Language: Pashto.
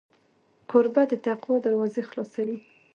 کوربه د تقوا دروازې خلاصوي.